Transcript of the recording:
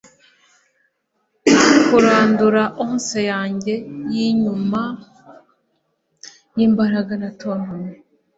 kurandura ounce yanjye yanyuma yimbaraga natontomye